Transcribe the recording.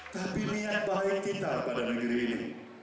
tapi niat baik kita pada negeri ini